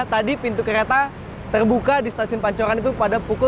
tadi pintu kereta terbuka di stasiun pancoran itu pada pukul